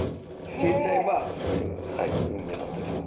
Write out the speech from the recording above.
消えちゃえばそういう運命の時も。